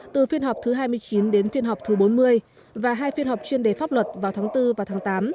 từ phiên họp thứ hai mươi chín đến phiên họp thứ bốn mươi và hai phiên họp chuyên đề pháp luật vào tháng bốn và tháng tám